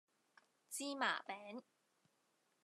芝麻餅